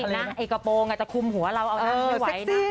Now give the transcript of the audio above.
นี่นะไอ้กระโปรงอาจจะคุมหัวเราเอาทางให้ไหวนะ